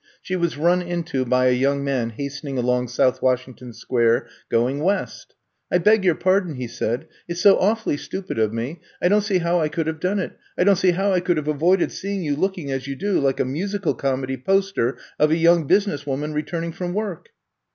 She was run into by a young man hastening along South Washington Square going west. I beg your pardon, '^ he said. *^ It 's so awfully stupid of me. I don't see how I could have done it. I don't see how I could have avoided seeing you looking as you do, like a musical comedy poster of a young business woman returning from work."